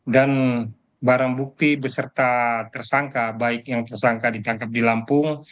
dan barang bukti beserta tersangka baik yang tersangka ditangkap di lampung